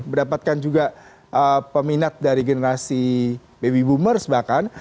mendapatkan juga peminat dari generasi baby boomers bahkan